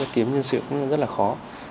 kiếm nhân sự cũng rất là khó